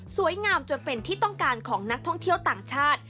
จนเป็นที่ต้องการของนักท่องเที่ยวต่างชาติ